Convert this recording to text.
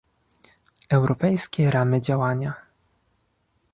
europejskie ramy działania"